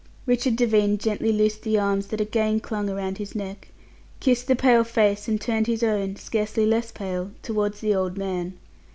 Richard Devine gently loosed the arms that again clung around his neck, kissed the pale face, and turned his own scarcely less pale towards the old man.